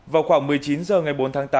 vào khoảng một mươi chín h ngày bốn tháng tám